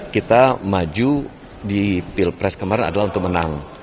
kita maju di pilpres kemarin adalah untuk menang